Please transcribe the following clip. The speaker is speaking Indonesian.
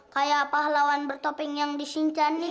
kayak pahlawan bertoping yang disincan itu